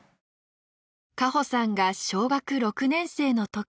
果穂さんが小学６年生のとき。